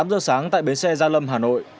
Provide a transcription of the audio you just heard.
tám giờ sáng tại bến xe gia lâm hà nội